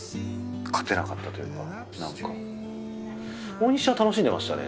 大西ちゃんは楽しんでましたね